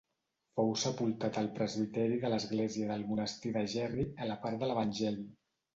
Fou sepultat al presbiteri de l'església del monestir de Gerri, a la part de l'evangeli.